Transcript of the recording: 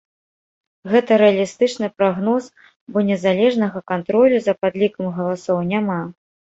Гэта рэалістычны прагноз, бо незалежнага кантролю за падлікам галасоў няма.